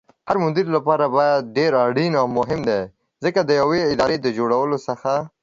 هرمدير لپاره بری ډېر اړين او مهم دی ځکه ديوې ادارې دجوړېدلو څخه